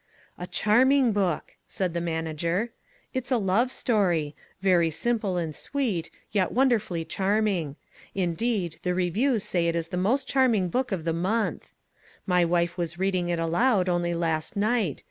"A charming book," said the manager. "It's a love story very simple and sweet, yet wonderfully charming. Indeed, the reviews say it's the most charming book of the month. My wife was reading it aloud only last night.